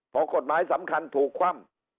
พอกฎหมายสำคัญถูกคว่ำ